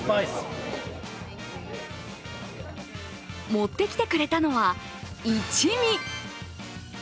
持ってきてくれたのは、一味。